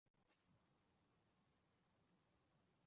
雄维勒马洛蒙人口变化图示